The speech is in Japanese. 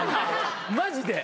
マジで。